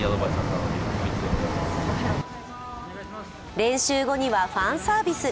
練習後にはファンサービス。